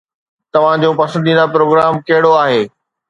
توهان جو پسنديده پروگرام ڪهڙو آهي؟